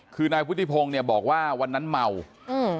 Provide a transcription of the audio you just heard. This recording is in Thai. คือนายวุฒิพงศ์เนี่ยบอกว่าวันนั้นเมาอืม